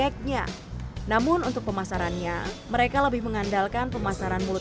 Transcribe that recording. sampai jumpa di video selanjutnya